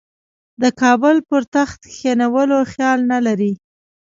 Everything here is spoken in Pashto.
د کابل پر تخت کښېنولو خیال نه لري.